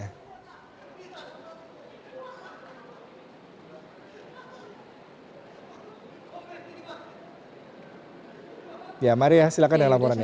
ya maria silahkan dengan laporannya